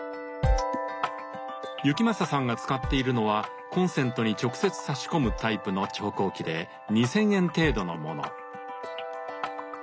行正さんが使っているのはコンセントに直接さし込むタイプの調光器で２，０００円程度のもの。